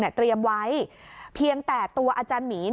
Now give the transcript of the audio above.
เตรียมไว้เพียงแต่ตัวอาจารย์หมี